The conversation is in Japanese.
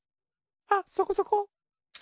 あっそこそこ。